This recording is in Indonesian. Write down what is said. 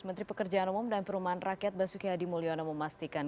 menteri pekerjaan umum dan perumahan rakyat basuki hadi mulyono memastikan